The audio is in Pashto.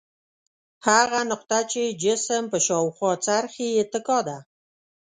هغه نقطه چې جسم په شاوخوا څرخي اتکا ده.